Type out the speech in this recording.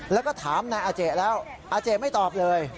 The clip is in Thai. แล้วก็ถามนายอาเจแล้วอาเจไม่ตอบเลย